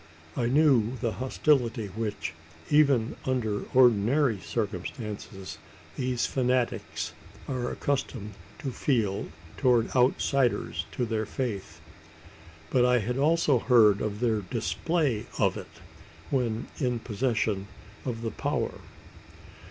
I knew the hostility which, even under ordinary circumstances, these fanatics are accustomed to feel towards outsiders to their faith; but I had also heard of their display of it, when in possession of the power.